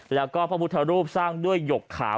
แล้วก็พระพุทธรูปสร้างด้วยหยกขาว